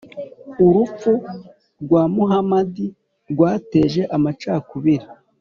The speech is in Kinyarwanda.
urupfu rwa muhamadi rwateje amacakubiri